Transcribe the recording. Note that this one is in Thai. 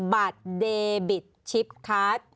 บัตรเดบิตชิปคาร์ด